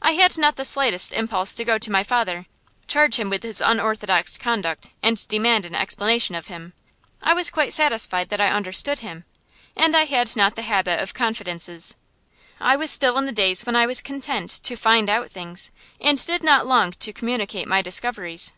I had not the slightest impulse to go to my father, charge him with his unorthodox conduct, and demand an explanation of him. I was quite satisfied that I understood him, and I had not the habit of confidences. I was still in the days when I was content to find out things, and did not long to communicate my discoveries.